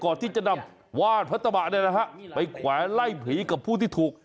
ก่อนที่จะนำว่านพระตะบะไปแวล่ล่ายผีกับผู้ที่ถูก